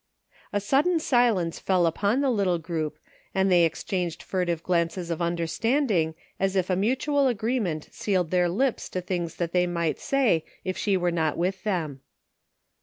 A sudden silence fell upon the little group and th. exchanged furtive glances of understanding as if a mutual agreement sealed their lips to things that tiiey might say if she were not with them.